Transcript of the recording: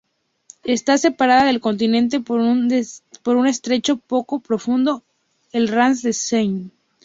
Está separada del continente por un estrecho poco profundo, el Raz de Sein.